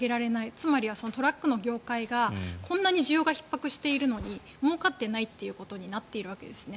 つまりはトラックの業界がこんなに需要がひっ迫しているのにもうかっていないということになっているわけですよね。